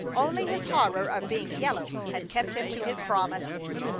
Only his horror of being "yellow" had kept him to his promise.